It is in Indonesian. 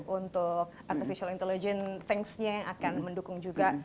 untuk artificial intelligence tenx nya akan mendukung juga